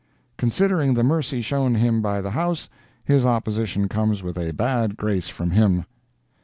Considering the mercy shown him by the House, his opposition comes with a bad grace from him.